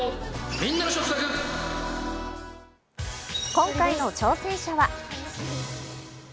今回の挑戦者は。